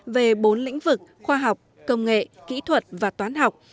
về bốn lĩnh vực khoa học công nghệ kỹ thuật và toán học